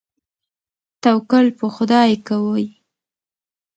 توکل په خدای کوئ؟